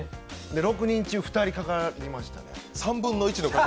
６人中２人かかりましたね。